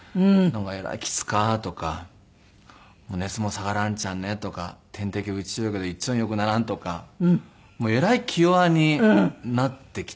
「えらいきつか」とか「熱も下がらんちゃね」とか「点滴打ちよるけどいっちょん良くならん」とかえらい気弱になってきて。